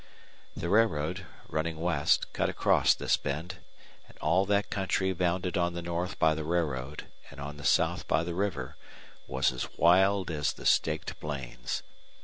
The railroad, running west, cut across this bend, and all that country bounded on the north by the railroad and on the south by the river was as wild as the Staked Plains.